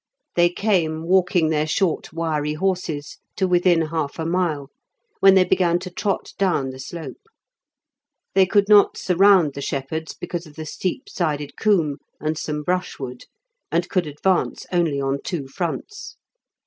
They came walking their short wiry horses to within half a mile, when they began to trot down the slope; they could not surround the shepherds because of the steep sided coombe and some brushwood, and could advance only on two fronts.